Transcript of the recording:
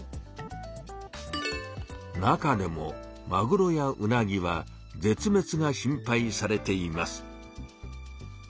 中でもマグロやウナギはぜつめつが心配されています。